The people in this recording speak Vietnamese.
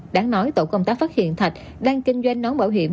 đáng nói tổ công tác phát hiện thạch đang kinh doanh nón bảo hiểm